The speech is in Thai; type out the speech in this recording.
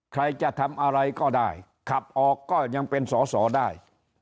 ใครจะทำอะไรก็ได้ขับออกก็ยังเป็นสอสอได้